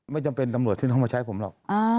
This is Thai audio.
ไม่จำเป็นตำรวจที่เขามาใช้ผมหรอก